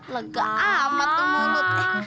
laga amat tuh mulutnya